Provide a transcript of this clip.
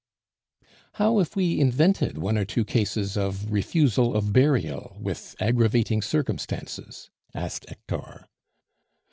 "How if we invented one or two cases of refusal of burial with aggravating circumstances?" asked Hector.